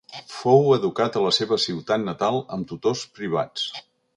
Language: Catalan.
Fou educat a la seva ciutat natal amb tutors privats.